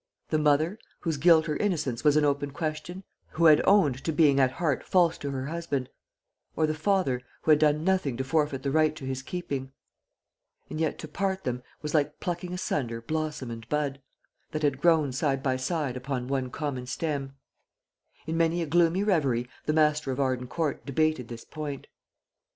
The mother, whose guilt or innocence was an open question who had owned to being at heart false to her husband or the father, who had done nothing to forfeit the right to his keeping? And yet to part them was like plucking asunder blossom and bud, that had grown side by side upon one common stem. In many a gloomy reverie the master of Arden Court debated this point.